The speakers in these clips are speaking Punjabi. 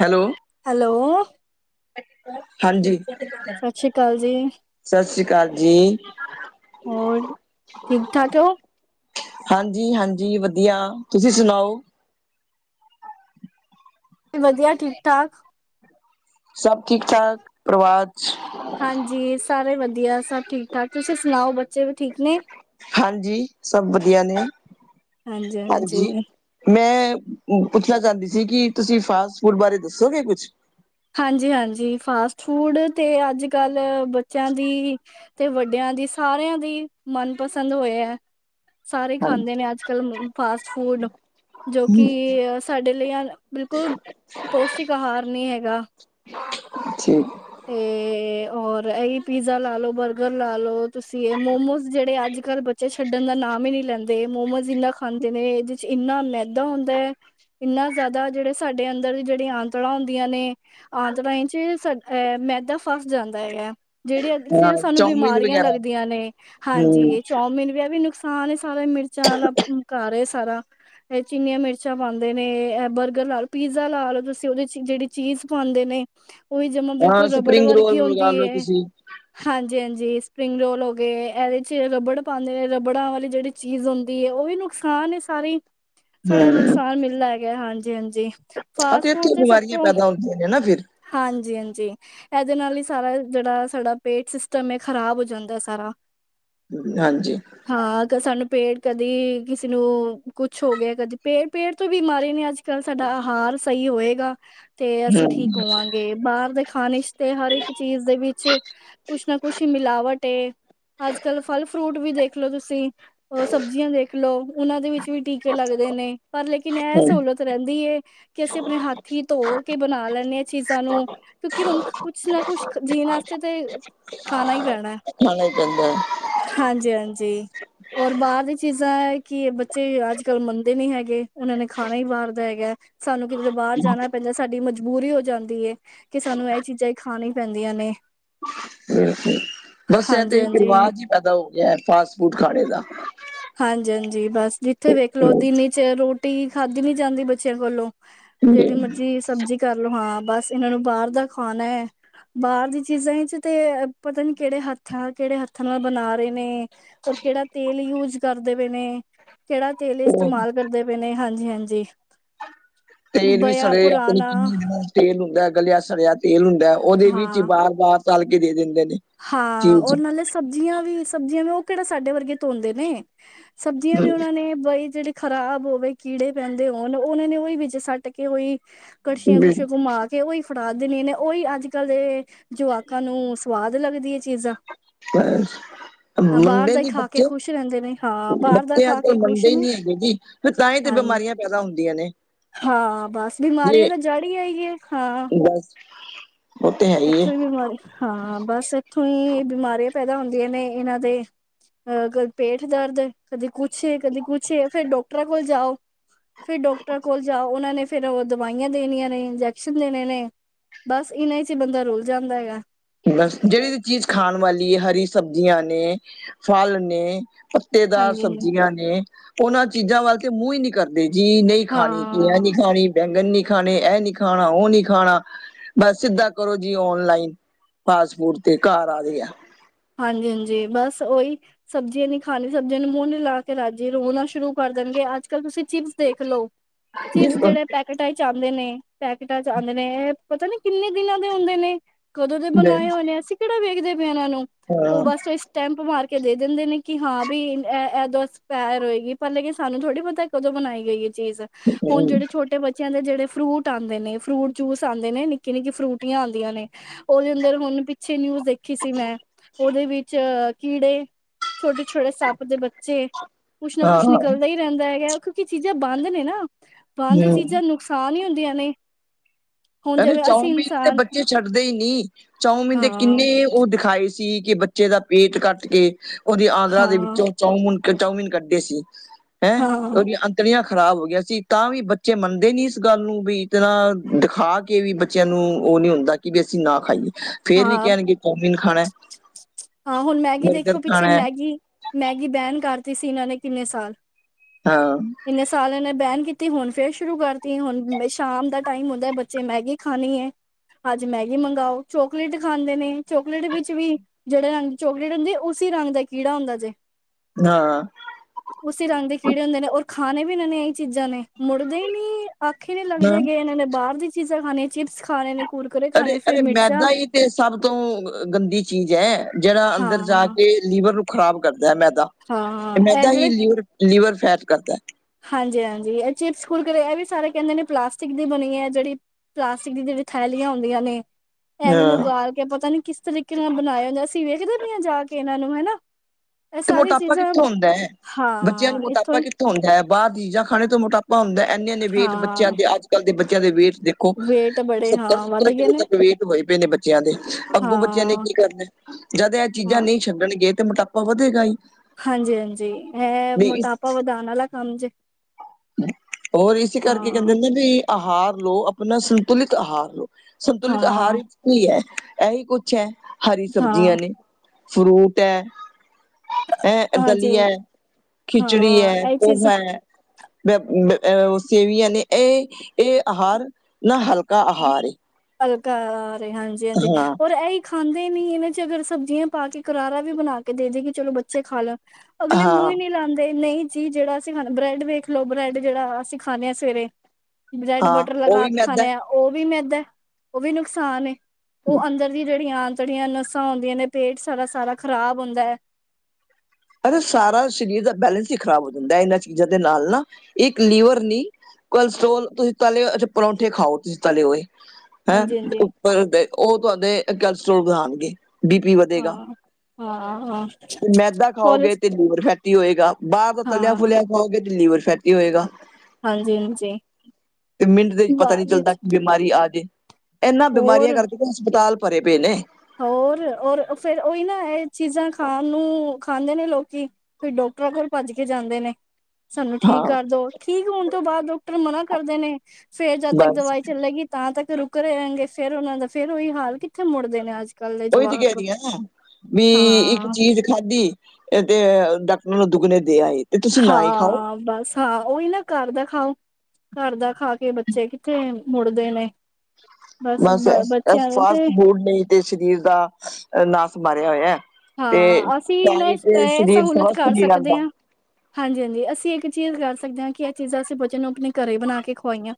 ਹੈਲੋ ਹੈਲੋ ਹਾਂਜੀ ਸਤਿ ਸ੍ਰੀ ਅਕਾਲ ਜੀ, ਸਤਿ ਸ੍ਰੀ ਅਕਾਲ ਜੀ ਹੋਰ ਠੀਕ ਠਾਕ ਹੋ ਹਾਂਜੀ ਹਾਂਜੀ ਵਧੀਆ ਤੁਸੀਂ ਸੁਣਾਓ ਵਧੀਆ ਠੀਕ ਠਾਕ ਸਭ ਠੀਕ ਠਾਕ ਪ੍ਰਵਾਰ ਚ ਹਾਂਜੀ ਸਾਰੇ ਵਧੀਆ ਸਭ ਠੀਕ ਠਾਕ ਤੁਸੀਂ ਸੁਣਾਓ ਬੱਚੇ ਵੀ ਠੀਕ ਨੇ ਹਾਂਜੀ ਸਭ ਵਧੀਆ ਨੇ ਹਾਂਜੀ ਮੈਂ ਪੁੱਛਣਾ ਚਾਹੁੰਦੀ ਸੀ ਕਿ ਤੁਸੀਂ ਫਾਸਟ ਫੂਡ ਬਾਰੇ ਦੱਸੋਗੇ ਕੁਛ ਹਾਂਜੀ ਹਾਂਜੀ ਫਾਸਟ ਫੂਡ ਤੇ ਅੱਜ ਕੱਲ ਬੱਚਿਆਂ ਦੀ ਤੇ ਵੱਡਿਆਂ ਦੀ ਸਾਰਿਆਂ ਦੀ ਮਨਪਸੰਦ ਹੋਏ ਹੈ ਸਾਰੇ ਹਾਂ ਖਾਂਦੇ ਨੇ ਅੱਜ ਕੱਲ ਫਾਸਟ ਫੂਡ ਜੋ ਕਿ ਸਾਡੇ ਲਈ ਬਿਲਕੁਲ ਪੋਸ਼ਟਿਕ ਆਹਾਰ ਨਹੀਂੀ ਹੈਗਾ ੱਠੀਕ ਤੇ ਔਰ ਇਹੀ ਪੀਜ਼ਾ ਲਾ ਲ ਲੋ ਬਰਗਰ ਲਾ ਲ ਲੋ ਤੁਸੀਂ ਇਹ ਮੋਮੋਜ਼ ਜਿਹੜੇ ਅੱਜ ਕੱਲ੍ਹ ਬੱਚੇ ਛੱਡਣ ਦਾ ਨਾਮ ਹੀ ਨਹੀਂੀ ਲੈਂਦੇ ਦੇ ਮੋਮੋਜ਼ ਇੰਨਾ ਖਾਂਦੇ ਨੇ ਇਹਦੇ ਚ ਇੰਨਾ ਮੈਦਾ ਹੁੰਦਾ ਹੈ ਇੰਨਾ ਜ਼ਿਆਦਾ ਜਿਹੜੇ ਸਾਡੇ ਅੰਦਰ ਦੀ ਜਿਹੜੀਆਂ ਆਂਤੜਾਂ ਹੁੰਦੀਆਂ ਨੇ ਆਦ ਰਾਹੀਂ ਚ ਅਹ ਮੈਦਾ ਫਸ ਜਾਂਦਾ ਹੈਗਾ ਹਾਂ ਜਿਹੜੇ ਸਾਨੂੰ ਚੌਮਿਨ ਬਿਮਾਰੀਆਂ ਵਗੈਰਾ ਲੱਗਦੀਆਂ ਨੇ ਹਾਂਜੀ ਹਮ ਇਹ ਚੌਮਿਨ ਵੀ ਵੀ ਨੁਕਸਾਨ ਸ ਨੇ ਸਾਰਾ ਮਿਰਚਾਂ ਵਾਲਾ ਮੁਕਾ ਰਹੇ ਸਾਰਾ ਇਹਦੇ ਚ ਇਨੀਆਂ ਮਿਰਚਾਂ ਪਾਉਂਦੇ ਨੇ ਇਹ ਬਰਗਰ ਲਾ ਲਓ ਪੀਜ਼ਾ ਲਾ ਲਓ ਤੁਸੀਂ ਉਹਦੇ ਚ ਜਿਹੜੀ ਚੀਜ਼ ਪਾਉਂਦੇ ਨੇ। ਉਹੀ ਜਮਾ ਹਾਂ ਬਿਲਕੁਲ ਰਬੜ ਸਪਰਿੰਗ ਵਰਗੀ ਰੋਲ ਆਉਂਦੀ ਲਗਾ ਲੋ ਹੈ। ਤੁਸੀਂ ਹਾਂਜੀ ਹਾਂਜੀ ਸਪਰਿੰਗ ਰੋਲ ਹੋ ਗਏ ਇਹਦੇ ਚ ਰੱਬੜ ਪਾਉਂਦੇ ਨੇ ਰਬੜਾਂ ਵਾਲੀ ਜਿਹੜੀ ਚੀਜ਼ ਹੁੰਦੀ ਹੈ ਉਹ ਵੀ ਨੁਕਸਾਨ ਏ ਸਾਰੀ। ਛੱਢਾ ਹਮ ਨੁਕਸਾਨ ਮਿਲਦਾ ਗਿਆ ਹਾਂਜੀ ਹਾਂਜੀ ਫਾਸਟ ਅਤੇ ਫੂਡ ਇੱਥੇ ਤੇ ਸਭ ਬਿਮਾਰੀਆਂ ਤੋਂ ਪੈਦਾ ਹੁੰਦੀਆਂ ਨਾ ਫ਼ਿਰ ਹਾਂਜੀ ਹਾਂਜੀ ਇਹਦੇ ਨਾਲ ਹੀ ਸਾਰਾ ਜਿਹੜਾ ਸਾਡਾ ਪੇਟ ਸਿਸਟਮ ਹੈ ਖ਼ਰਾਬ ਹੋ ਜਾਂਦਾ ਸਾਰਾ। ਹਾਂਜੀ ਹਾਂ ਸਾਨੂੰ ਪੇਟ ਕਦੀ ਕਿਸੇ ਨੂੰ ਕੁਛ ਹੋ ਗਿਆ ਕਦੇ ਪੇਟ ਪੇਟ ਤੋਂ ਬਿਮਾਰੇ ਨੇ ਅੱਜ ਚੱਲ ਸਾਡਾ ਹਾਲ ਸਹੀ ਹੋਏਗਾ ਤੇ ਅਸੀਂ ਹਮ ਠੀਕ ਹੋਵਾਂਗੇ ਬਾਹਰ ਦੇ ਖਾਣੇ ਵਿੱਚ ਤੇ ਹਰ ਇੱਕ ਚੀਜ਼ ਦੇ ਵਿੱਚ ਕੁਛ ਨਾ ਕੁਛ ਮਿਲਾਵਟ ਏ ਅੱਜ ਕਲ ਫਲ ਫਰੂਟ ਵੀ ਦੇਖ ਲੋ ਤੁਸੀਂ। ਅ ਸਬਜ਼ੀਆਂ ਦੇਖ ਲਓ ਉਹਨਾਂ ਦੇ ਵਿੱਚ ਵੀ ਕ ਲੱਗਦੇ ਨੇ ਪਰ ਲੇਕਿਨ ਇਹ ਸਹੂਲਤ ਰਹਿੰਦੀ ਏ। ਕਿ ਅਸੀਂ ਆਪਣੇ ਹੱਥ ਈ ਧੋ ਕੇ ਬਣਾ ਲੈਂਦੇ ਹਾਂ। ਚੀਜ਼ਾਂ ਨੂੰ ਕਿਉਂਕਿ ਹੁਣ ਕੁਛ ਨਾ ਕੁਛ ਜੀਣ ਵਾਸਤੇ ਤੇ ਖਾਣਾ ਹੀ ਪੈਣਾ। ਖਾਣਾ ਹੀ ਪੈਂਦਾ। ਹਾਂਜੀ ਹਾਂਜੀ। ਹੋਰ ਬਾਹਰ ਦੀ ਚੀਜ਼ਾਂ ਹੈ ਕਿ ਬੱਚੇ ਅੱਜ ਕੱਲ੍ਹ ਮੰਨਦੇ ਨਹੀਂ ਹੈਗੇ। ਉਹਨਾਂ ਨੇ ਖਾਣਾ ਹੀ ਬਾਹਾਰ ਦਾ ਹੈਗਾ ਸਾਨੂੰ ਕਿਧਰ ਬਾਹਰ ਜਾਣਾ ਪੈਂਦਾ ਸਾਡੀ ਮਜਬੂਰੀ ਹੋ। ਜਾਂਦੀ ਏ। ਕਿ ਸਾਨੂੰ ਇਹ ਚੀਜ਼ਾਂ ਹੀ ਖਾਣੀ ਪੈਂਦੀਆਂ ਨੇ। ਬਿਲਕੁਲ ਬਸ ਇਹ ਤੇ ਇੱਕ ਹਾਂਜੀ-ਹਾਂਜੀ, ਰਿਵਾਜ ਹੀ ਪੈਦਾ ਹੋ ਗਿਆ ਫਾਸਟ ਫੂਡ ਖਾਣੇ ਦਾ ਹਾਂਜੀ, ਹਾਂਜੀ ਬਸ ਜਿੱਥੇ ਵੇਖ ਲਓ ਦਿਨੀ ਚ ਰੋਟੀ ਖਾਧੀ ਨੀ ਜਾਂਦੀ ਬੱਚਿਆਂ ਕੋਲੋਂ। ਜਿਹੜੀ ਮਰਜੀ ਸਬਜ਼ੀ ਕਰ ਲੋ ਹਾਂ ਬਸ ਇਹਨਾਂ ਨੂੰ ਬਾਹਰ ਦਾ ਖਾਣਾ ਹੈ। ਬਾਹਰ ਦੀਆਂ ਚੀਜ਼ਾਂ ਵਿੱਚ ਤੇ ਪਤਾ ਨੀ ਕਿਹੜੇ ਹੱਥਾਂ ਨਾਲ ਕਿਹੜੇ ਹੱਥਾਂ ਨਾਲ ਬਣਾ ਰਹੇ ਨੇ। ਉਹ ਕਿਹੜਾ ਤੇਲ ਯੂਜ ਕਰਦੇ ਪਏ ਨੇ। ਕਿਹੜਾ ਤੇਲ ਉਹ ਇਸਤੇਮਾਲ ਕਰਦੇ। ਨੇ ਹਾਂਜੀ ਹਾਂਜੀ। ਤੇਲ ਵੀ ਬਇਆ ਸੜੇ ਆਪਣੇ ਪੁਰਾਣਾ ਕਿੰਨੇ ਦਿਨਾਂ ਤੇਲ ਹੁੰਦਾ ਹੈ ਗਲਿਆ ਸੜਿਆ ਤੇਲ ਹੁੰਦਾ ਹੈ ਉਹਦੇ ਵਿੱਚ ਹਾਂ ਬਾਰ ਬਾਰ ਤਲ ਕੇ ਦੇ ਦਿੰਦੇ ਨੇ। ਹਾਂ ਚੀਜ਼। ਔਰ ਨਾਲੇ ਸਬਜ਼ੀਆਂ ਵੀ ਸਬਜ਼ੀਆਂ ਵੀ ਉਹ ਕਿਹੜਾ ਸਾਡੇ ਵਰਗੇ ਧੋਦੇ ਨੇ। ਸਬਜ਼ੀਆਂ ਵੀ ਹੂੰ, ਉਹਨਾਂ ਨੇ ਬਾਈ ਜਿਹੜੇ। ਖ਼ਰਾਬ ਹੋਵੇ ਕੀੜੇ ਪੈਂਦੇ ਹੋਣ ਉਹਨਾਂ ਨੇ ਉਹੀ ਵਿੱਚ ਸੱਟ ਕੇ ਉਹੀ ਕੜਛੀਆਂ ਬਿਲ ਕੁੜਛੀਆਂ ਘੁਮਾ ਕੇ। ਕੇ ਉਹੀ ਫੜਾ ਦੇਣੀ ਨੇ ਉਹੀ ਅੱਜ ਕੱਲ ਦੇ ਜਵਾਕਾਂ ਨੂੰ ਸਵਾਦ ਲੱਗਦੀ ਹੈ। ਚੀਜ਼ਾਂ ਬਸ ਬਾਹਰ ਮੰਨਦੇ ਦਾ ਹੀ ਨੀ ਖਾ ਕੇ ਬੱਚੇ ਖੁਸ਼ ਰਹਿੰਦੇ ਨੇ ਹਾਂ ਬਾਹਰ ਦਾ ਬੱਚੇ ਅੱਜ ਖਾ ਕੇ ਕੱਲ ਖੁਸ਼ ਮੰਨਦੇ ਨੇ ਨਹੀਂ ਹੈਗੇ ਜੀ। ਫਿਰ ਤਾਂਹੀ ਤੇ ਹਾਂਜੀ ਬਿਮਾਰੀਆਂ ਪੈਦਾ ਹੁੰਦੀਆਂ ਨੇ। ਹਾਂ, ਬਸ ਜੇ ਬਿਮਾਰੀਆਂ ਤਾਂ ਜੜ ਹੀ ਆ ਹੀ ਇਹੀ ਏ ਹਾਂ। ਬਸ ਉਹ ਤੇ ਹੈ ਏ। ਇੱਥੋਂ ਹੀ ਬਿਮਾਰੀ ਹਾਂ ਬਸ ਇੱਥੋਂ ਹੀ ਬਿਮਾਰੀਆਂ ਪੈਦਾ ਹੁੰਦੀਆਂ ਨੇ। ਇਹਨਾਂ ਦੇ ਹਾਂ ਕਦੀ ਪੇਟ ਦਰਦ। ਕਦੇ ਕੁਛ ਏ ਕਦੇ ਕੁਛ ਏ ਫੇਰ ਡਾਕਟਰਾਂ ਕੋਲ ਜਾਓ ਫੇਰ ਡਾਕਟਰ ਕੋਲ ਜਾਓ। ਉਹਨਾਂ ਨੇ ਫੇਰ ਉਹ ਦਵਾਈਆਂ ਦੇਣੀਆਂ ਨੇ ਇੰਜੈਕਸ਼ਨ ਦੇਣੇ ਨੇ ਬਸ ਇਹਨਾ ਚ ਬੰਦਾ ਰੁਲ ਜਾਂਦਾ ਹੈਗਾ। ਬਸ ਜਿਹੜੀ ਚੀਜ਼ ਖਾਣ ਵਾਲੀ ਹਰੀ ਸਬਜ਼ੀਆਂ ਨੇ ਫਲ ਨੇ। ਪੱਤੇਦਾਰ ਹਾਂਜੀ ਹਾਂਜੀ ਸਬਜ਼ੀਆਂ ਨੇ ਉਹਨਾਂ ਚੀਜ਼ਾਂ ਵੱਲ ਤੇ ਮੂੰਹ ਹੀ ਨ ਕਰਦੇ ਜੀ ਨਹੀਂ ਖਾਣੀ ਘੀਆ ਹਾਂ ਨੀ ਖਾਣੀ। ਬੈਂਗਨ ਨੀ ਖਾਣੇ। ਇਹ ਨੀ ਖਾਣਾ ਉਹ ਨੀ ਖਾਣਾ। ਬਸ ਸਿੱਧਾ ਕਰੋ ਜੀ ਓਨਲਾਈਨ। ਫਾਸਟਫੂਡ ਤੇ ਘਰ ਆ ਰਿਹਾ ਆ। ਹਾਂਜੀ ਹਾਂਜੀ ਬਸ ਉਹੀ ਸਬਜ਼ੀਆਂ ਨੀ ਖਾਣੀ ਸਬਜ਼ੀਆਂ ਨੂੰ ਮੂੰਹ ਲਾ ਕੇ ਰਾਜੀ ਰੋਣਾ ਸ਼ੁਰੂ ਕਰ ਦੇਣਗੇ ਅੱਜ ਕੱਲ ਤੁਸੀਂ ਚਿਪਸ ਦੇਖਲੋ ਚਿਪਸ ਬਿਲਕੁਲ ਜਿਹੜੇ ਪੈਕੇਟ ਆਏ ਆਦੇ ਨੇ ਪੈਕਟਾਂ ਚ ਆਦੇ ਨੇ ਇਹ ਪਤਾ ਨਹੀਂ ਕਿੰਨੇ ਦਿਨਾਂ ਦੇ ਹੁੰਦੇ ਨੇ। ਕਦੋਂ ਦੇ ਬਣਾਏ ਹੋਏ ਨੇ ਅਸੀਂ ਕਿਹੜਾ ਵੇਖਦੇ ਪਏ ਇਹਨਾਂ ਨੂੰ ਹਾਂ ਉਹ ਬਸ ਸਟੈਂਪ ਮਾਰ ਕੇ ਦੇ ਦਿੰਦੇ ਨੇ ਕਿ ਹਾਂ ਇਦੋਂ ਐਕਸਪਾਇਰ ਹੋਏਗੀ ਪਰ ਲੇਕ ਸਾਨੂੰ ਥੋੜ੍ਹੀ ਪਤਾ ਕਦੋਂ ਬਣਾਈ ਗਈ ਹੈ ਚੀਜ਼ ਹੁਣ ਹਮ ਜਿਹੜੇ ਛੋਟੇ ਬੱਚੇ। ਚਲੋ ਜਿਹੜੇ ਫਰੂਟ ਆਉਂਦੇ ਨੇ ਫਰੂਟ ਜੂਸ ਆਉਂਦੇ ਨਿੱਕੀਆਂ ਨਿੱਕੀਆਂ ਫਰੂਟੀਆਂ ਆਉਂਦੀਆਂ ਨੇ। ਓਦੇ ਅੰਦਰ ਹੁਣ ਪਿੱਛੇ ਨਿਊਜ਼ ਦੇਖੀ ਸੀ ਮੈਂ ਉਹਦੇ ਵਿੱਚ ਕੀੜੇ। ਛੋਟੇ ਛੋਟੇ ਸੱਪ ਦੇ ਬੱਚੇ ਕੁੱਛ ਨਾ ਹਾਂ ਕੁੱਛ ਨਿਕਲਦਾ ਹੀ। ਰਹਿੰਦਾ ਹੈਗਾ ਕਿਉਂਕਿ ਚੀਜ਼ਾਂ ਬੰਦ ਨੇ ਨਾ ਬੰਦ ਹਮ ਚੀਜ਼ਾਂ ਨੁਕਸਾਨ ਹੀ ਹੁੰਦੀਆਂ ਨੇ। ਹੁਣ ਕਹਿੰਦੇ ਜਿਵੇਂ ਅਸੀਂ ਚੋਮੀਨ ਤੇ ਇਨਸਾਨ ਬੱਚੇ ਛੱਡਦੇ ਹੀ ਨਹੀਂ ਚੋਮੀਨ ਹਾਂ ਦੇ ਕਿੰਨੇ ਉਹ ਦਿਖਾਈ ਸੀ ਕਿ ਬੱਚੇ ਦਾ ਪੇਟ ਕੱਟ ਕੇ ਉਹਦੀ ਆਂਦਾਂਰਾ ਹਾਂ ਦੇ ਵਿੱਚੋਂ ਚੌਮੁਨ ਚਾਊਮਨ ਕੱਡੇ ਸੀ ਹੈਂ। ਹਾਂ ਤੜੀਆਂ ਖ਼ਰਾਬ ਹੋ ਗਿਆ ਸੀ ਤਾਂ ਵੀ ਬੱਚੇ ਮੰਨਦੇ ਨੀ ਇਸ ਗੱਲ ਨੂੰ ਵੀ ਇ ਤਨਾ ਦਿਖਾ ਕੇ ਕੇ ਵੀ ਬੱਚਿਆਂ ਨੂੰ ਉਹ ਨਹੀਂ ਹੁੰਦਾ ਕਿ ਵੀ ਅਸੀਂ ਨਾ ਖਾਈਏ ਫੇਰ ਵੀ ਹਾਂ ਕਹਿਣਗੇ ਚੌਮੀਿਨ ਖਾਣਾ। ਹਾਂ ਹੁਣ ਮੈਗੀ ਦੇਖੋ ਬਰਗਰ ਪਿੱਛੇ ਖਾਣਾ ਹੈ ਮੈਗੀ ਮੈਗੀ ਬੈਨ ਕਰਤੀ ਸੀ ਇਹਨਾਂ ਨੇ ਕਿੰਨੇ ਸਾਲ ਹਾਂ। ਇੰਨੇ ਸਾਲ ਨੇ ਬੈਨ ਕੀਤੀ ਹੁਣ ਫੇਰ ਸ਼ੁਰੂ ਕਰਤੀ ਹੁਣ ਸ਼ਾਮ ਦਾ ਟਾਈਮ ਹੁੰਦਾ ਬੱਚੇ ਮੈਗੀ ਖਾਣੀ ਹੈ। ਅੱਜ ਮੈਗੀ ਮੰਗਾਓ ਚੋਕਲੇਟ ਖਾਂਦੇ ਨੇ ਚੋਕਲੇਟ ਵਿੱਚ ਵੀ ਜਿਹੜੇ ਰੰਗ ਦੀ ਚੋਕਲੇਟ ਹੁੰਦੀ ਉਸੀ ਰੰਗ ਦਾ ਕੀੜਾ ਹੁੰਦਾ ਜੇ। ਹਾਂ ਉਸੇ ਰੰਗ ਦੇ ਕੀੜੇ ਹੁੰਦੇ ਨੇ ਔਰ ਖਾਣੇ ਵੀ ਇਹਨਾਂ ਨੇ ਇਹੀ ਚੀਜ਼ਾਂ ਨੇ ਮੁੜਦੇ ਹੀ ਨੀ। ਆਖੇ ਨੀ ਲੱਗਦੇ ਹਾਂ ਹੈਗੇ ਇਹਨਾਂ ਨੇ ਬਾਹਰ ਦੀ ਚੀਜ਼ਾਂ ਖਾਣੀਆਂ ਚਿਪਸ ਖਾਣੇ ਨੇ ਕੁਰਕੁਰੇ ਅਰੇ ਖਾਣੇ ਫਿਰ ਅਰੇ ਮਿਰਚਾਂ ਮੈਦਾ ਹੀ ਤੇ ਸਭ ਤੋਂ ਗੰਦੀ ਚੀਜ਼ ਹੈ ਜਿਹੜਾ ਅੰਦਰ ਜਾ ਹਾਂ ਕੇ ਲੀਵਰ ਨੂੰ ਖਰਾਬ ਕਰਦਾ ਹੈ। ਮੈਦਾ- ਹਾਂ ਇਹ ਮੈਦਾ ਹੀ ਜਿਹੜੇ ਲੀਵਰ ਲੀਵਰ ਫੈਟ ਕਰਦਾ ਹਾਂਜੀ ਹਾਂਜੀ ਇਹ ਚਿਪਸ ਕੁਰਕਰੇ ਇਹ ਵੀ ਸਾਰੇ ਕਹਿਦੇ ਨੇ ਪਲਾਸਟਿਕ ਦੀ ਬਣੀ ਹੈ। ਜਿਹੜੀ ਪਲਾਸਟਿਕ ਦੀ ਜਿਹੜੀ ਥੈਲੀਆਂ ਹੁੰਦੀਆਂ ਨੇ ਇਹਨਾ ਹਾਂ ਨੂੰ ਗਾਲ ਕੇ ਪਤਾ ਨੀ ਕਿਸ ਤਰੀਕੇ ਨਾਲ ਬਣਾਇਆ ਜਾਦਾ ਅਸੀ ਵੇਖਦੇ ਪਈ ਹ ਜਾ ਕੇ ਇਹਨਾ ਨੂੰ ਹਨਾ ਇਹ ਤੇ ਸਾਰੀ ਮੋਟਾਪਾ ਚੀਜ਼ਾਂ ਕਿਥੋਂ ਹੁੰਦਾ ਹੈ। ਬੱਚਿਆਂ ਨੂੰ ਹਾਂ ਇੱਥੋਂ ਮੋਟਾਪਾ ਹੀ ਕਿਥੋ ਹੁੰਦਾ ਹੈ। ਬਾਰ ਦੀ ਚੀਜ਼ਾ ਖਾਣੇ ਤੋ ਮੋਟਾਪਾ ਹੁੰਦਾ ਇਨੇ ਇਨੇ ਵੇਟ ਹਾਂ ਬੱਚਿਆਂ ਦੇ ਅਜ ਕਲ ਦੇ ਬੱਚਿਆਂ ਦੇ ਵੇਟ ਦੇਖੋ ਵੇਟ ਬੜੇ ਸੱਤਰ ਹਾਂ ਸੱਤਰ ਵੱਧ ਗਏ ਕਿਲੋ ਨੇ ਤੱਕ ਵੇਟ ਹੋਏ ਪਏ ਨੇ ਬਚਿਆ ਦੇ ਅਗੋਂ ਬੱਚਿਆਂ ਨੇ ਹਾਂ ਕੀ ਕਰਨਾ ਜਦ ਇਹ ਚੀਜਾ ਹਾਂ ਨਹੀ ਛੱਡਣਗੇ ਤੇ ਮੋਟਾਪਾ ਵਧੇਗਾ ਈ। ਹਾਂਜੀ ਹਾਂਜੀ ਇਹ ਮੋਟਾਪਾ ਵਧਾਉਣ ਵਾਲਾ ਕੰਮ ਜੇ ਹੋਰ ਇਸ ਕਰਕੇ ਹਾਂ, ਕਹਿਦੇ ਨਾ ਵੀ ਆਹਾਰ ਲੋਓ ਆਪਣਾ ਸੰਤੁਲਿਤ ਆਹਾਰ ਲਓ ਸੰਤੁਲਿਤ ਆਹਾਰ ਹਾਂ, ਵਿਚ ਕੀ ਹੈ। ਇਹੀ ਕੁਛ ਹੈ। ਹਰੀ ਹਾਂ, ਸਬਜ਼ੀਆਂ ਨੇ ਫਰੂਟ ਹੈ। ਐ ਹਾਂਜੀ ਦਲੀਆ ਖਿਚੜੀ ਹਾਂ ਹੈ। ਇਹ ਚੀਜ਼ ਪੋਹਾ ਹੈ। ਸੇਵੀਆਂ ਨੇ ਇਹ- ਇਹ ਆਹਾਰ ਨਾ ਹਲਕਾ ਆਹਾਰ ਹਲਕਾ ਆਹਾਰ ਏ ਹਾਂਜੀ- ਹਾਂਜੀ ਹਾਂ ਔਰ ਇਹ ਹੀ ਖਾਂਦੇ ਨੀ ਇਹਨਾਂ 'ਚ ਅਗਰ ਸਬਜ਼ੀਆਂ ਪਾ ਕੇ ਕਰਾਰਾ ਵੀ ਬਣਾ ਕੇ ਦੇਦੇ ਕਿ ਚਲੋ ਬੱਚੇ ਖਾ ਲੈਣ ਅਗਲੇ ਮੂੰਹ ਹਾਂ ਹੀ ਨਹੀ ਲਾਂਦੇ ਨਹੀ ਜੀ ਜਿਹੜਾ ਅਸੀ ਬਰੈਡ ਵੇਖ ਲਓ ਬ੍ਰੈਡ ਜਿਹੜਾ ਅਸੀ ਖਾਂਦੇ ਹਾਂ ਸਵੇਰੇ ਬ੍ਰੈਡ ਹਾਂ ਬਟਰ ਉਹ ਲਗਾ ਵੀ ਕੇ ਮੈਦਾ ਖਾਣੇ ਆ। ਉਹ ਵੀ ਮੈਦਾ ਏ ਉਹ ਵੀ ਨੁਕਸਾਨ ਏ। ਉਹ ਅੰਦਰ ਦੀ ਜਿਹੜੀ ਆ ਜੇੜੀਆਂ ਨਸਾਂ ਹੁੰਦੀਆਂ ਨੇ ਪੇਟ ਸਾਰਾ ਸਾਰਾ ਖਰਾਬ ਹੁੰਦਾ ਏ ਅ ਸਾਰਾ ਸਰੀਰ ਦਾ ਬੈਲੇੈਸ ਹੀ ਖਰਾਬ ਹੋ ਜਾਦਾ ਇਹਨਾਂ ਚੀਜ਼ਾ ਦੇ ਨਾਲ ਨਾ ਇਕ ਲੀਵਰ ਨੀ ਕੋਲਸਟੋਲ ਤੁਸੀ ਤਲੇ ਓ ਅੱਛਾ ਪਰੌਂਠੇ ਖਾਓ ਤੁਸੀ ਤਲੇ ਹੋਏ ਹੈਂ। ਹਾਂਜੀ-ਹਾਂਜੀ ਉਪਰ ਉਹ ਤੁਹਾਡੇ ਕੈਲਸਟਰ੍ਰੋਲ ਵਧਾਉਣਗੇ ਹਾਂ -ਹਾਂ- ਹਾਂ- ਮੈਦਾ ਕੋਲਜ ਖਾਓਗੇ ਤੇ ਲੀਵਰ ਫੈਟੀ ਹੋਏਗਾ ਬਾਹਰ ਦਾ ਤਲਿਆ ਹਾਂ, ਫੁਲਿਆ ਖਾਓਗੇ ਤੇ ਲੀਵਰ ਫੈਟੀ ਹੋਏਗਾ। ਹਾਂਜੀ-ਹਾਂਜੀ ਤੇ ਮਿੰਟ ਦੇ ਪਤਾ ਬਾਹਰ ਨੀ ਚੱਲਦਾ ਵਿੱਚ ਬਿਮਾਰੀ ਆ ਜਾੇ ਇਹਨਾਂ ਬਿਮਾਰੀਆਂ ਕਰਕੇ ਹਸਪਤਾਲ ਭਰੇ ਪਏ ਨੇ ਹੋਰ- ਹੋਰ ਫੇਰ ਉਹੀ ਨਾ ਇਹ ਚੀਜ਼ਾ ਖਾਣ ਨੂੰ ਖਾਂਦੇ ਨੇ ਲੋਕੀ ਫੇਰ ਡਾਕਟਰਾਂ ਕੋਲ ਭੱਜ ਕੇ ਜਾਂਦੇ ਨੇ ਸਾਨੂੰ ਹਾਂ ਠੀਕ ਕਰ ਦੋ ਠੀਕ ਹੋਣ ਤੋਂ ਬਾਅਦ ਡਾਕਟਰ ਮਨਾ ਕਰਦੇ ਨੇ ਫੇਰ ਜਦ ਤੱਕ ਬਸ ਦਵਾਈ ਚਲੇਗੀ ਤਾਂ ਤੱਕ ਰੁਕ ਰਹੇਗੇ ਫੇਰ ਉਹਨਾਂ ਦਾ ਫੇਰ ਉਹੀ ਹਾਲ ਕਿਥੇ ਮੁੜਦੇ ਨੇ ਅਜ ਉਹੀ ਤੇ ਕਹਿ ਰਹੀ ਆ ਵੀ ਇਕ ਹਾਂ, ਚੀਜ਼ ਖਾਧੀ ਇਹ ਤੇ ਡਾਕਟਰਾਂ ਨੂੰ ਦੁਖਣੇੇ ਦੇ ਆ ਹਾਂ ਬਸ ਹਾਂ ਉਹੀ ਨਾ ਘਰ ਦਾ ਖਾਓ ਘਰ ਦਾ ਖਾ ਕੇ ਬੱਚੇ ਕਿਥੇ ਮੁੜਦੇ ਨੇ ਬਸ ਬੱਸ ਬ ਏਸ ਏਸ ਬੱਚਿਆਂ ਨੂੰ ਫਾਸਟ ਤੇ ਫੂਡ ਨੇ ਹੀ ਤੇ ਸਰੀਰ ਦਾ ਨਾਸ ਮਾਰਿਆ ਹੋਇਆ। ਤੇ ਹਾਂ ਅਸੀ ਤਾਂ ਹੀ ਤੇ ਇਹਨਾਂ ਸਰੀਰ ਸਹੂਲਤ ਸਵਸਥ ਕਰ ਨਹੀਂ ਸਕਦੇ ਰਹਿੰਦਾ ਹਾਂ। ਹਾਂਜੀ- ਹਾਂਜੀ ਅਸੀ ਇਕ ਚੀਜ਼ ਕਰ ਸਕਦੇ ਹਾਂ ਕਿ ਇਹ ਚੀਜ਼ਾ ਅਸੀ ਬੱਚੇ ਨੂੰ ਆਪਣੇ ਘਰੇ ਹੀ ਬਣਾ ਕੇ ਖੁਵਾਈਆਂ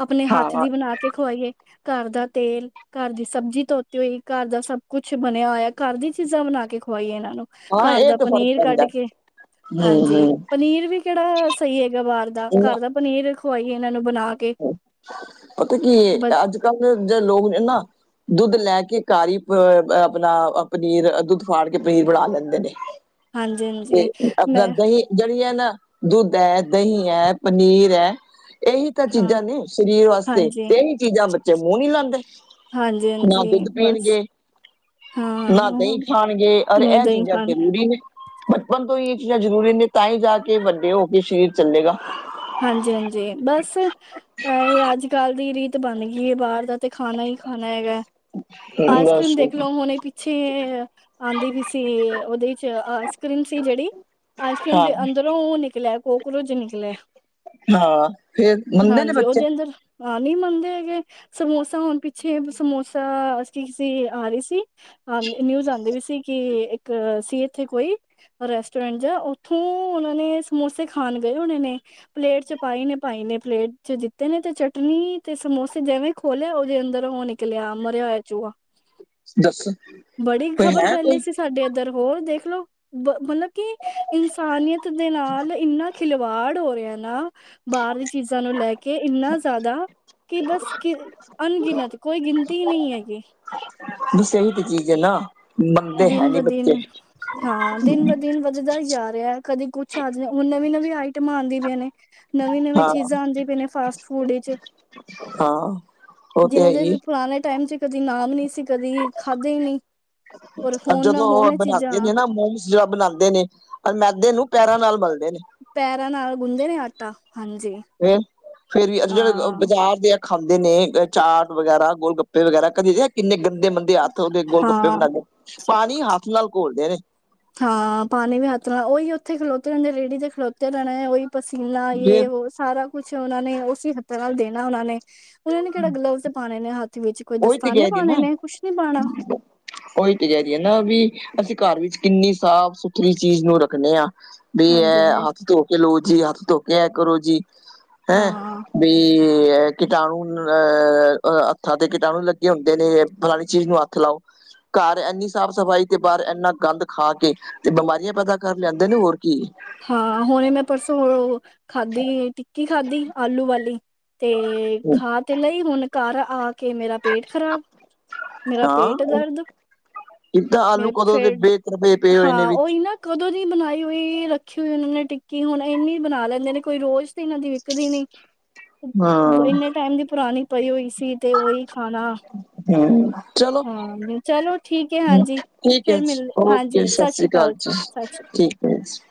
ਆਪਣੇ ਹੱਥ ਹਾਂ ਦੀ ਬਣਾ ਕੇ ਖਵਾਈਏ ਘਰ ਦਾ ਤੇਲ ਘਰ ਦੀ ਸਬਜ਼ੀ ਧੋਤੀ ਹੋਈ ਘਰ ਦਾ ਸਭ ਕੁਛ ਬਣਿਆ ਹੋਇਆ ਘਰ ਦੀ ਚੀਜ਼ਾਂ ਬਣਾ ਕੇ ਖਵਾਈਏ ਇਹਨਾਂ ਨੂੰ ਹਾਂ ਘਰ ਇਹ ਦਾ ਤੇ ਫ਼ਰਕ ਪਨੀਰ ਕਢ ਪੈਂਦਾ ਕੇ ਹਾਂਜੀ ਹਮ ਪਨੀਰ ਵੀ ਕਿਹੜਾ ਸਹੀ ਹੈਗਾ ਬਾਹਰ ਦਾ ਘਰ ਦਾ ਹਮ ਪਨੀਰ ਖਵਾਈਏ ਇਹਨਾ ਨੂੰ ਬਣਾ ਕੇ ਪਤਾ ਕੀ ਬ ਹੈ। ਅਜ ਕਲ ਦੇ ਜਿਹੜੇ ਲੋਕ ਨੇ ਨਾ ਦੁੱਧ ਲੈ ਕੇ ਕਾਰੀ ਅ ਆਪਣਾ ਪਨੀਰ ਦੁੱਧ ਫੜ ਕੇ ਪਨੀਰ ਬਣਾ ਲੈਦੇ ਨੇ ਹਾਂਜੀ-ਹਾਂਜੀ, ਤੇ ਅੱਧਾ ਮੈਂ ਦਹੀ- ਜਿਹੜੀਆਂ ਨਾ ਦੁੱਧ ਹੈ। ਦਹੀ ਹੈ। ਪਨੀਰ ਹੈ। ਇਹੀ ਤਾਂ ਹਾਂ, ਚੀਜ਼ਾਂ ਨੇ ਸਰੀਰ ਵਾਸਤੇ ਹਾਂਜੀ। ਤੇਹੀ ਚੀਜ਼ਾਂ ਬੱਚੇ ਮੂੰਹ ਨਹੀ ਲਾਉਦੇ ਨਾ ਹਾਂਜੀ-ਹਾਂਜੀ, ਦੁੱਧ ਬਸ ਪੀਣਗੇੇ- ਨਾ ਹਾਂ, ਦਹੀ ਖਾਣਗੇ ਅ ਨਹੀਂ ਇਹ ਦਹੀਂ ਚੀਜ਼ਾ ਖਾਣ ਜਰੂਰੀ ਨੇ ਬਚਪਨ ਤੋਂ ਈ ਏ ਚੀਜ਼ਾਂ ਜ਼ਰੂਰੀ ਨੇ। ਤਾਂ ਈ ਜਾ ਕੇ ਵੱਡੇ ਹੋ ਕੇ ਸਰੀਰ ਚੱਲੇਗਾ। ਹਾਂਜੀ- ਹਾਂਜੀ ਬਸ। ਹੈ ਏ ਅੱਜ ਕੱਲ੍ਹ ਦੀ ਰੀਤ ਬਣ ਗਈ ਏ ਬਾਰ ਦਾ ਤੇ ਖਾਣਾ ਈ ਖਾਣਾ ਹੈਗਾ। ਆਈਸ ਕ੍ਰੀਮ ਬਸ ਦੇਖ ਲਓ ਹੁਣੇ ਪਿੱਛੇ- ਆਂਦੀ ਵੀ ਸੀ। ਓਦੇ 'ਚ ਆਈਸ ਕ੍ਰੀਮ ਸੀ ਜੇੜੀ ਆਈਸ ਕ੍ਰੀਮ ਹਾਂ ਦੇ ਅੰਦਰ- ਤੇ ਓ ਨਿਕਲਿਆ ਕੋਕਰੋਚ ਨਿਕਲਿਆ। ਹਾਂ ਫੇਰ ਮੰਨਦੇ ਨੇ ਹਾਂਜੀ ਬੱਚੇ। ਉਹਦੇ ਅੰਦਰ ਹਾਂ ਨਈ ਮੰਨਦੇ ਹੈਗੇ। ਸਮੋਸਾ ਹੁਣ ਪਿੱਛੇ ਸਮੋਸਾ ਕੀ ਸੀ ਆ ਰਹੀ ਸੀ। ਹ ਨਿਊਜ਼ ਆਂਦੀ ਵੀ ਸੀ ਕਿ ਇੱਕ ਸੀ ਏਥੇ ਕੋਈ। ਰੈਸਟੋਰੈਂਟ ਜਾਂ ਓਥੋਂ ਉਨਾਂ ਨੇ ਸਮੋਸੇ ਖਾਣ ਗਏ ਹੋਣੇ ਨੇ। ਪਲੇਟ ਚ ਪਾਈ ਨੇ। ਪਾਈ ਨੇ ਪਲੇਟ 'ਚ ਦਿੱਤੇ ਨੇ ਤੇ ਚਟਨੀ ਤੇ ਸਮੋਸੇ ਜਿਵੇਂ ਖੋਲਿਆ ਓਦੇ ਅੰਦਰ ਓ ਨਿਕ- ਲਿਆ ਮਰਿਆ ਹੋਇਆ ਚੂਆ। ਦੱਸ ਬੜੀ ਕੋਈ ਖ਼ਬਰ ਹੈ ਫੈਲੀ ਕੋਈ ਸੀ। ਸਾਡੇ ਏਧਰ ਹੋਰ ਦੇਖ ਲਓ ਬ ਮਲਬ ਕਿ ਇਨਸਾਨੀਅਤ ਦੇ ਨਾਲ ਇੰਨਾ- ਖਿਲਵਾੜ ਹੋ ਰਿਆ ਨਾ। ਬਾਰ ਦੀ ਚੀਜ਼ਾਂ ਨੂੰ ਲੈ ਕੇ ਇੰਨਾ ਜ਼ਾਦਾ। ਕਿ ਬਸ ਕੀ ਅਣਗਿਣਤ ਕੋਈ ਗਿਣਤੀ ਨਈ ਹੈਗੀ। ਬਸ ਏਹੀ ਤੇ ਚੀਜ਼ ਏ ਨਾ। ਮੰਨਦੇ ਹੈ ਦਿਨ ਬ ਨੀ ਬੱਚੇ। ਦਿਨ ਹਾਂ ਦਿਨ ਬ ਦਿਨ ਵੱਧਦਾ ਈ ਜਾ ਰਿਆ ਕਦੀ ਕੁੱਛ ਆ ਜੇ ਹੁਣ ਨਵੀਂ -ਨਵੀਂ ਆਈਟਮਾਂ ਆਂਦੀ ਵੀਆਂ ਨੇ। ਨਵੇਂ ਨਵੇਂ ਹਾਂ ਚੀਜ਼ਾਂ ਆਂਦੀ ਪੀ ਨੇ ਫਾਸਟ ਫੂਡ ਵਿੱਚ। ਹਾਂ ਉਹ ਤੇ ਹੈ ਜਿਨਾਂ ਦੇ ਅਸੀ ਹੀ ਪੁਰਾਣੇ ਟੈਮ 'ਚ ਕਦੀ ਨਾਮ ਨੀ ਸੀ ਕਦੀ ਖਾਧੇ ਹੀ ਨੀ। ਜਦੋਂ ਓ ਬਣਾਂਦੇ ਨੇ ਨਾ ਮੋਮਸ- ਜੇੜਾ ਬਣਾਂਦੇ ਨੇ ਔਰ ਮੈਦੇ ਨੂੰ ਪੈਰਾਂ ਨਾਲ ਮਲਦੇ ਨੇ। ਪੈਰਾਂ ਨਾਲ ਗੁੰਦੇ ਨੇ ਆਟਾ। ਹਾਂਜੀ ਫ ਫੇਰ ਵੀ ਜੇੜੇ ਹਾਂ ਬਾਜ਼ਾਰ ਦੇ- ਖਾਂਦੇ ਨੇ ਚਾਟ ਵਗੈਰਾ, ਗੋਲ ਗੱਪੇ ਵਗੈਰਾ, ਕਦੀ ਰਿਆ ਕਿੰਨੇ ਗੰਦੇ ਮੰਦੇੰ - ਦੇ ਹੱਥ ਓਦੇ ਗੋਲ ਗੱਪੇ ਹਾਂ ਬਣਾਂਦੇ ਪਾਣੀ ਹੱਥ ਨਾਲ ਘੋਲਦੇ ਨੇ। ਹਾਂ ਪਾਣੀ ਵੀ ਹੱਥ ਨਾਲ ਓਹੀ। ਓਥੇ ਖਲੋਤੇ ਰੇਂਦੇ ਰੇੜੀ ਤੇ ਖਲੋਤੇ ਰੈਣੇ ਓਈ। ਪਸੀਨਾ ਜੇ ਯੇ ਓ ਸਾਰਾ ਕੁਛ ਓਨਾ ਨੇ- ਚੀ ਹੱਥਾਂ ਨਾਲ ਦੇਣਾ ਉਨਾ ਨੇ। ਉਨਾਂ ਨੇ ਕੇੜਾ ਗਲਵਜ਼ ਪਾਣੇ ਨੇ ਹੱਥ- ਵਿੱਚ ਕੋਈ ਉਹੀ ਤੇ ਦਸਤਾਨੇ ਪਾਣੇ ਨੇ ਕੁਛ ਨੀ ਪਾਣਾ। ਓਈ ਤੇ ਕੈ ਰੀ ਨਾ ਵੀ ਅਸੀਂ ਘਰ ਵਿੱਚ ਕਿੰਨੀ ਸਾਫ਼ ਸੁਥਰੀ ਚੀਜ਼ ਨੂੰ ਰੱਖਣੇ ਆਂ। ਵੀ ਹਾਂਜੀ ਐ ਹਾਂਜੀ ਹੱਥ ਧੋ ਕੇ ਲੋ ਜੀ। ਹੱਥ ਧੋ ਕੇ ਐ ਕਰੋ ਜੀ। ਹੈਂ ਹਾਂ ਬਈ ਏ ਕੀਟਾਣੂ ਅ ਅ ਹੱਥਾਂ ਤੇ- ਤੇ ਕੀਟਾਣੂ ਲੱਗੇ ਹੁੰਦੇ ਨੇ ਫਲਾਣੀ ਚੀਜ਼ ਨੂੰ ਹੱਥ ਲਾਓ। ਘਰ ਏਨੀ ਸਾਫ਼ ਸਫ਼ਾਈ ਤੇ ਬਾਰ ਏਨਾ ਗੰਦ ਖਾ ਕੇ- ਤੇ ਬਿਮਾਰੀਆਂ ਪੈਦਾ ਕਰ ਲਿਆਂਦੇ ਨੇ ਹੋਰ ਕੀ। ਹਾਂ ਹੁਣੇ ਮੈਂ ਪਰਸੋਂ ਖਾਧੀ। ਟਿੱਕੀ ਖਾਧੀ ਆਲੂ ਵਾਲੀ। ਤੇ ਖਾ ਤੇ ਲਈ ਹੁਣ ਘਰ ਆ ਕੇ ਮੇਰਾ- ਪੇਟ ਖ਼ਰਾਬ। ਮੇਰਾ ਪੇਟ ਹਾਂ ਦਰਦ। ਕਿੱਦਾਂ ਮੇ ਆਲੂ ਕਦੋਂ ਦੇ ਫੇਰ ਬੇਤਰਬੇ ਪਏ ਹੋਏ ਨੇ ਹਾਂ ਵਿੱਚ ਓਈ ਨਾ- ਕਦੋਂ ਦੀ ਬਣਾਈ ਹੋਈ ਰੱਖੀ ਹੋਈ ਉਨਾਂ ਨੇ ਟਿੱਕੀ ਹੁਣ ਏਨੀ ਬਣਾ ਲੈਂਦੇ ਨੇ। ਕੋਈ ਰੋਜ਼ ਤੇ ਇਨਾਂ ਦੀ ਵਿਕਦੀ ਨੀ। ਹਾਂ ਏਨੇ ਟਾਈਮ ਦੀ ਪੁਰਾਣੀ ਪਈ ਹੋਈ ਸੀ ਤੇ ਓਈ ਖਾਣਾ- ਹੂੰ ਚਲੋ ਹਾਂ ਚਲੋ ਠੀਕ ਹੈ ਹਾਂਜੀ ਠੀਕ ਐ ਫਿਰ ਜੀ। ਮਿਲ ਓਕੇ ਹਾਂਜੀ ਸਤਿ ਸ੍ਰੀ ਸਾਸਰੀ ਕਾਲ ਅਕਾਲ ਜੀ ਸਤਿ ਸ਼੍ਰੀ ਠੀਕ। [inaudible]